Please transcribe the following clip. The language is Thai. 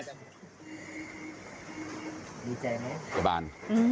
ดีใจไหมจับบ้าน